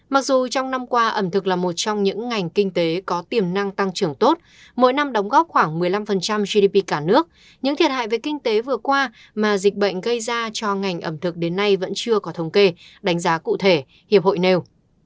mặc dù trong năm qua ẩm thực là một trong những ngành kinh tế có tiềm năng tăng trưởng tốt mỗi năm đóng góp khoảng một mươi năm gdp cả nước những thiệt hại về kinh tế vừa qua mà dịch bệnh gây ra cho ngành ẩm thực đến nay vẫn chưa có thống kê đánh giá cụ thể hiệp hội nêu